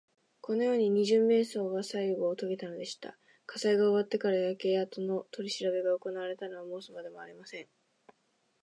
このようにして、二十面相はさいごをとげたのでした。火災が終わってから、焼けあとのとりしらべがおこなわれたのは申すまでもありません。